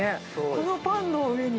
このパンの上に。